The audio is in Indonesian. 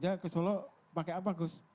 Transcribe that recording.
ini dari jogja ke solo pakai apa gus